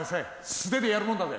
素手でやるもんだぜ。